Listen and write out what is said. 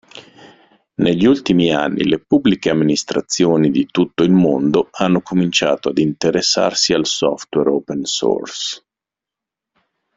Negli ultimi anni le Pubbliche Amministrazioni di tutto il mondo hanno cominciato ad interessarsi al software open-source.